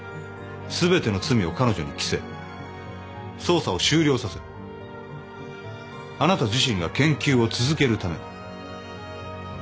すべての罪を彼女に着せ捜査を終了させあなた自身が研究を続けるために。